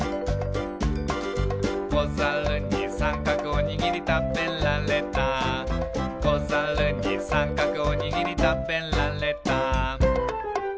「こざるにさんかくおにぎりたべられた」「こざるにさんかくおにぎりたべられた」